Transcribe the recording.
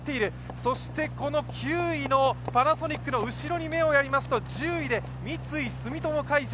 そして９位のパナソニックの後ろに目をやりますと１０位で三井住友海上。